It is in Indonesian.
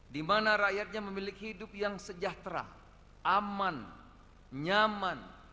di mana rakyatnya memiliki hidup yang sejahtera aman nyaman